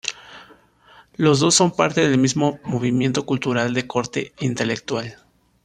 Los dos son parte del mismo movimiento cultural de corte intelectual.